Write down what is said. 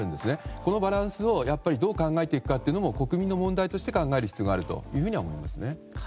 このバランスをやっぱりどう考えていくかも国民の問題として考える必要があると思います。